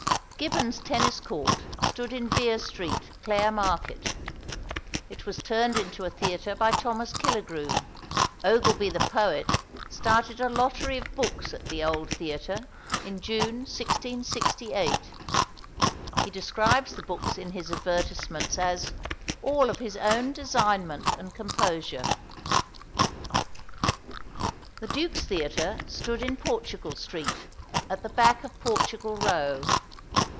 Gibbons's Tennis Court stood in Vere Street, Clare Market; it was turned into a theatre by Thomas Killigrew. Ogilby the poet, started a lottery of books at "the old theatre" in June 1668. He describes the books in his advertisements as "all of his own designment and composure." "The Duke's Theatre" stood in Portugal Street, at the back of Portugal Row.